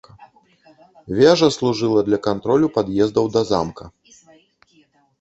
Вежа служыла для кантролю пад'ездаў да замка.